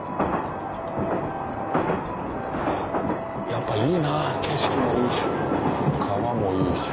やっぱいいな景色もいいし川もいいし。